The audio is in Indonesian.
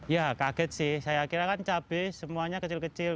ya kaget sih saya kira kan cabai semuanya kecil kecil